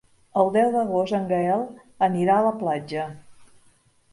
El deu d'agost en Gaël anirà a la platja.